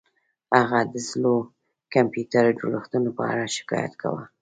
هغه د زړو کمپیوټري جوړښتونو په اړه شکایت کاوه